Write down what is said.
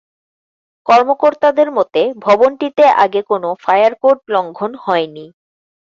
কর্মকর্তাদের মতে, ভবনটিতে আগে কোনো ফায়ার কোড লঙ্ঘন হয়নি।